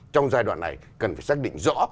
trong giai đoạn này cần phải xác định rõ